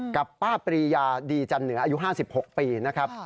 กับป้าปรียาดีจันเหนืออายุ๕๖ปีนะครับ